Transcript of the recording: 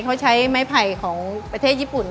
เขาใช้ไม้ไผ่ของประเทศญี่ปุ่น